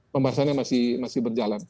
pembahasannya masih berjalan